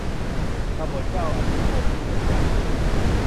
กบฏเจ้าอนุวงศ์ ที่เวียงจันทน์